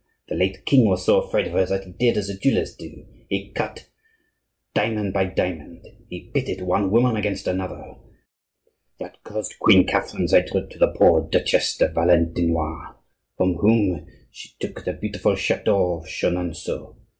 The late king was so afraid of her that he did as the jewellers do, he cut diamond by diamond, he pitted one woman against another. That caused Queen Catherine's hatred to the poor Duchesse de Valentinois, from whom she took the beautiful chateau of Chenonceaux.